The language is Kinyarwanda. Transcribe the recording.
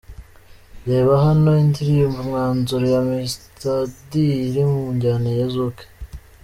Reba hano indirimbo'Umwanzuro' ya Mr D iri mu njyana ya Zouk.